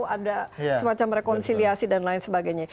ada semacam rekonsiliasi dan lain sebagainya